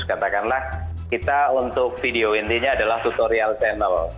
katakanlah kita untuk video intinya adalah tutorial channel